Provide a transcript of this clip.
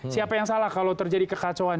siapa yang salah kalau terjadi kekacauan